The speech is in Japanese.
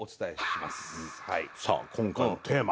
さあ今回のテーマ。